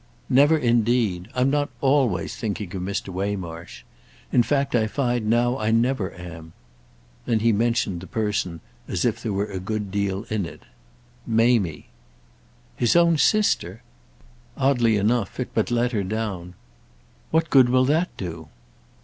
"Never indeed. I'm not always thinking of Mr. Waymarsh; in fact I find now I never am." Then he mentioned the person as if there were a good deal in it. "Mamie." "His own sister?" Oddly enough it but let her down. "What good will that do?"